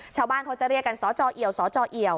ชาวบ้านเขาจะเรียกตัวสจเอี่ยว